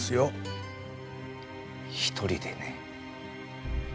１人でね。